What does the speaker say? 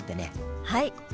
はい。